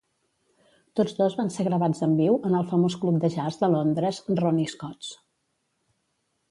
Tots dos van ser gravats en viu en el famós club de jazz de Londres Ronnie Scott's.